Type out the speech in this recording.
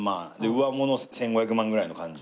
上物１５００万ぐらいの感じ。